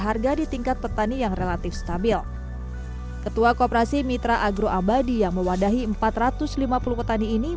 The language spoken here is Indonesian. harga di tingkat petani yang relatif stabil ketua koperasi mitra agroabadi yang mewadahi empat ratus lima puluh petani ini